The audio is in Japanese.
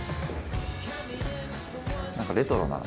何かレトロな。